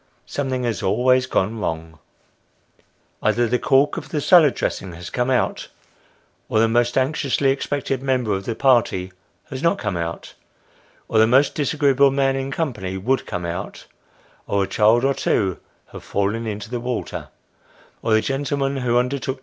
Something has always gone wrong. Either the cork of the salad dressing has come out, or the most anxiously expected member of the party has not come out, or the most disagreeable man in company would come out, or a child or two have fallen into the water, or the gentleman who undertook 72 Sketches by Boz.